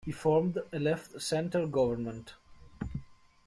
He formed a left-center government.